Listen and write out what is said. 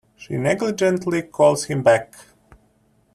She negligently calls him back.